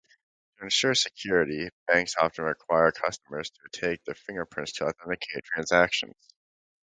To ensure security, banks often require customers to take their fingerprints to authenticate transactions.